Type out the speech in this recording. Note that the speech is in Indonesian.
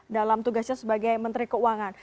dalam tugasnya sebagai menteri keuangan